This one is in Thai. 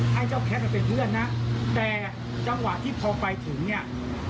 ให้เจ้าแคทมาเป็นเพื่อนนะแต่จังหวะที่พอไปถึงเนี่ย